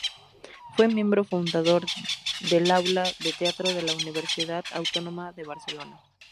Fue miembro fundador del Aula de Teatro de la Universidad Autónoma de Barcelona.